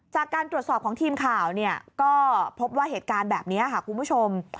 จากการตรวจสอบของทีมข่าวก็พบว่าเหตุการณ์แบบนี้ค่ะคุณผู้ชม